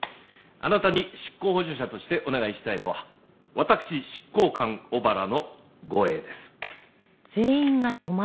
あなたに執行補助者としてお願いしたいのは私執行官小原の護衛です。